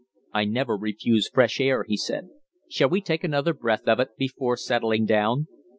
"I never refuse fresh air," he said. "Shall we take another breath of it before settling down?"